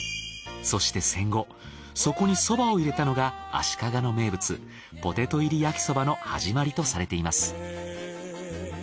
そして戦後そこにそばを入れたのが足利の名物ポテト入り焼きそばの始まりとされています。